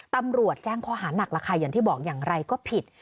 ตำรวจแจ้งข้อหานักแล้วค่ะอย่างที่บอกอย่างไรก็ผิด